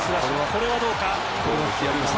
これはどうか。